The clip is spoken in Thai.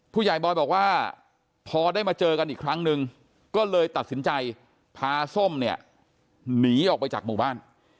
บอยบอกว่าพอได้มาเจอกันอีกครั้งนึงก็เลยตัดสินใจพาส้มเนี่ยหนีออกไปจากหมู่บ้าน